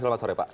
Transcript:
selamat sore pak